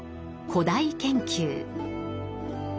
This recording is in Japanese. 「古代研究」。